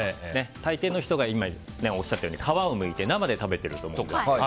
たいていの人が今おっしゃったように皮をむいて生で食べてると思うんですが。